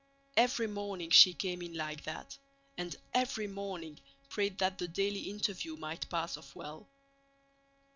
Every morning she came in like that, and every morning prayed that the daily interview might pass off well.